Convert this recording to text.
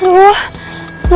semoga gue masih sempet ngejarnya